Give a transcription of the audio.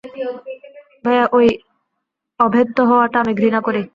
ভায়া, এই অভেদ্য হওয়াটা আমি ঘৃণা করি।